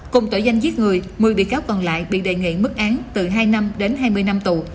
cùng tội danh giết người một mươi bị cáo còn lại bị đề nghị mức án từ hai năm đến hai mươi năm tù